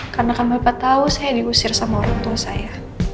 karena kamu apa tau saya diusir sama orang tua saya